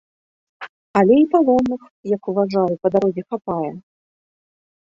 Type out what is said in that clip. Але й палонных, як уважаю, па дарозе хапае.